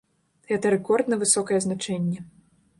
Гэта рэкордна высокае значэнне.